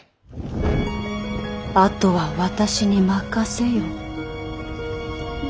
あとは私に任せよ。